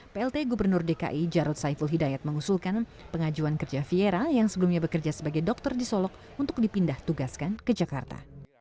plt gubernur dki jarod saiful hidayat mengusulkan pengajuan kerja fiera yang sebelumnya bekerja sebagai dokter di solok untuk dipindah tugaskan ke jakarta